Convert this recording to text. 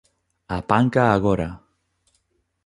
A panca agora!